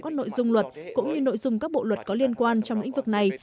các nội dung luật cũng như nội dung các bộ luật có liên quan trong lĩnh vực này